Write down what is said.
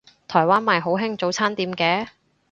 台灣咪好興早餐店嘅